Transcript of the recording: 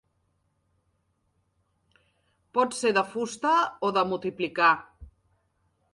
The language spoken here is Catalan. Pot ser de fusta o de multiplicar.